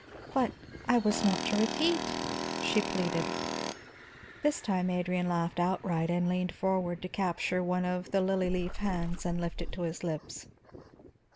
"But I was not to repeat," she pleaded. This time Adrian laughed outright and leaned forward to capture one of the lily leaf hands and lift it to his lips.